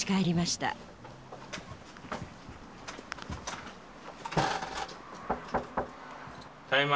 ただいま。